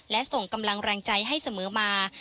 และส่งกำลังแรงใจให้เสมอมา